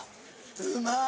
うまい！